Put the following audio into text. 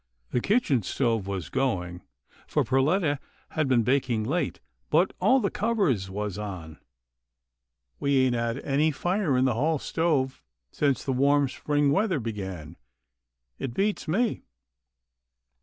The kitchen stove was going, for Perletta had been baking late, but all the covers was on. We ain't had any fire in the hall stove since the warm spring weather began. It beats me."